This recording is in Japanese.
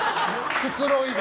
くつろいで。